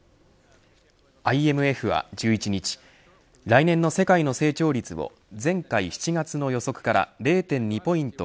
ＩＭＦは１１日来年の世界の成長率を前回７月の予測から０．２ポイント